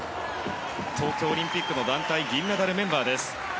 東京オリンピックの団体銀メダルメンバーです。